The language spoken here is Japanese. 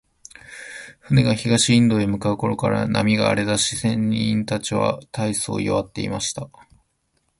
船が東インドに向う頃から、海が荒れだし、船員たちは大そう弱っていました。